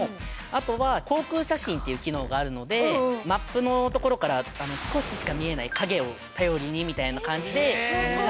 あとは航空写真っていう機能があるのでマップのところから少ししか見えない影を頼りにみたいな感じで探すことをしている感じです。